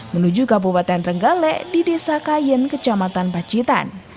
menuju kabupaten trenggale di desa kayen kecamatan pacitan